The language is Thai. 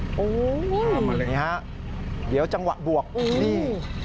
โอ้โฮมาเลยนี่ครับเดี๋ยวจังหวะบวกนี่